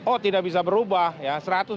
oh tidak bisa berubah ya